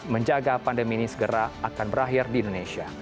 menjaga pandemi ini segera akan berakhir di indonesia